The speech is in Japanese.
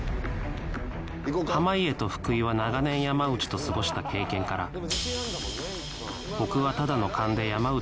濱家と福井は長年山内と過ごした経験から僕はただの勘で山内のボケを当てにいったのです